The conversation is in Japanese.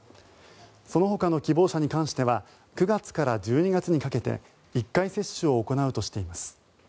そのほかの希望者に関しては９月から１２月にかけて１回接種を行うとしています。